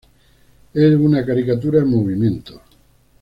Es una caricatura en movimiento.